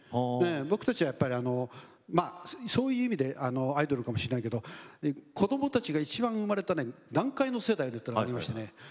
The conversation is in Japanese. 僕たちはやっぱりそういう意味でアイドルかもしれないけど子どもたちがいちばん生まれた団塊の世代なんていうのがありましてね